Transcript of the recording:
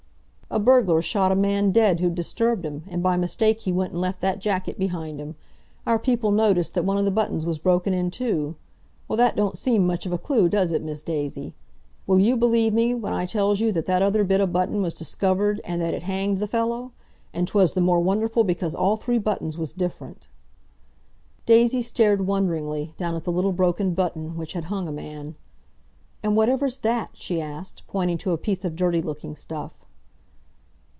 "A burglar shot a man dead who'd disturbed him, and by mistake he went and left that jacket behind him. Our people noticed that one of the buttons was broken in two. Well, that don't seem much of a clue, does it, Miss Daisy? Will you believe me when I tells you that that other bit of button was discovered, and that it hanged the fellow? And 'twas the more wonderful because all three buttons was different!" Daisy stared wonderingly, down at the little broken button which had hung a man. "And whatever's that!" she asked, pointing to a piece of dirty looking stuff.